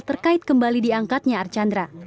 terkait kembali diangkatnya archandra